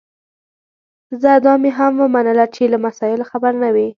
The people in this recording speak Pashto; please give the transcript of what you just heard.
ځه دا مي هم ومنله چي له مسایلو خبر نه وې